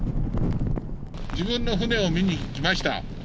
自分の船を見に来ました。